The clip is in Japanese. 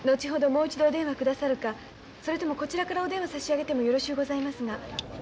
もう一度お電話くださるかそれともこちらからお電話差し上げてもよろしゅうございますが。